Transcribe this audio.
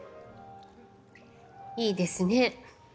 いいですね。